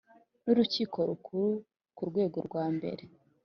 n Urukiko Rukuru ku rwego rwa mbere